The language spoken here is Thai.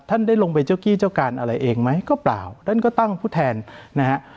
ท่านได้ลงไปเจ้ากี้เจ้าการอะไรเองไหมก็เปล่าท่านก็ตั้งผู้แทนนะฮะ